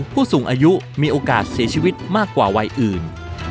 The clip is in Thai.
ผู้สูงอายุมีโอกาสเสียชีวิตมากกว่าวัยอื่น